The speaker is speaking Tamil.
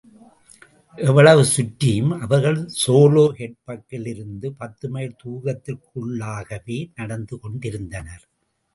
எவ்வளவு சுற்றியும் அவர்கள் ஸோலோஹெட்பக்கிலிருந்து பத்துமைல் தூரத்திற்குள்ளாகவே நடந்து கொண்டிருந்தனர்.